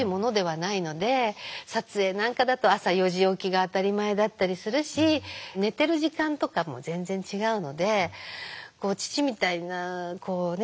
撮影なんかだと朝４時起きが当たり前だったりするし寝てる時間とかも全然違うので父みたいなこうね